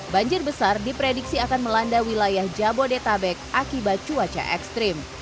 banjir besar diprediksi akan melanda wilayah jabodetabek akibat cuaca ekstrim